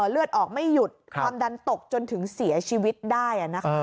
เลือดออกไม่หยุดความดันตกจนถึงเสียชีวิตได้